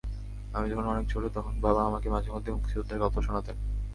আমি যখন অনেক ছোট, তখন বাবা আমাকে মাঝেমধ্যে মুক্তিযুদ্ধের গল্প শোনাতেন।